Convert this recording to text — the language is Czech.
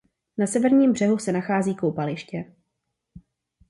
Na severním břehu se nachází koupaliště.